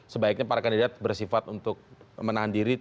sebaiknya para kandidat bersifat untuk menahan diri